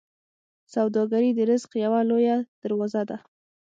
سوداګري د رزق یوه لویه دروازه ده.